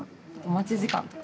待ち時間とか。